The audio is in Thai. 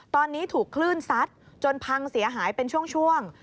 ตอนนี้ถูกคลื่นซัดจนพังเสียหายเป็นช่วง